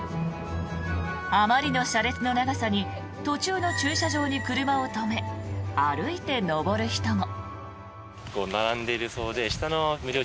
あまりの車列の長さに途中での駐車場に車を止め歩いて登る人も。